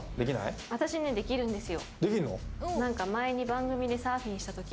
私、できるんですよ。